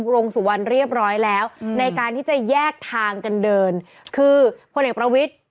วงสุวรรณเรียบร้อยแล้วในการที่จะแยกทางกันเดินคือพลเอกประวิทธิ์